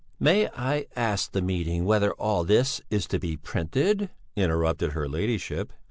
'" "May I ask the meeting whether all this is to be printed?" interrupted her ladyship.